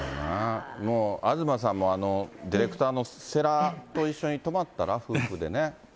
もう、東さんも、ディレクターのせらと一緒に泊まったら？